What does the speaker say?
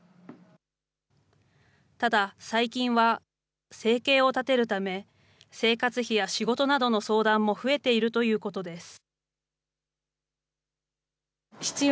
ただ最近は生計を立てるため、生活費や仕事などの相談も増えているということです。